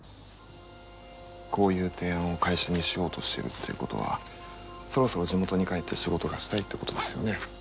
こういう提案を会社にしようとしてるっていうことはそろそろ地元に帰って仕事がしたいってことですよね？